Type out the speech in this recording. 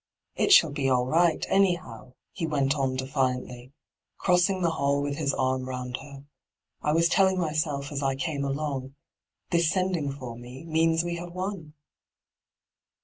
' It shall be all right, anyhow,' he went on defiantly, crosaing the hall with his arm round her. ' I was telling myself as I came along — this sending for me means we have won.'